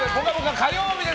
火曜日です！